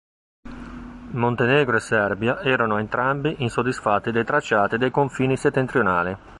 Montenegro e Serbia erano entrambi insoddisfatti dei tracciati dei confini settentrionali.